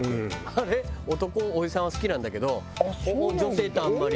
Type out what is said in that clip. あれ男おじさんは好きなんだけど女性ってあんまり。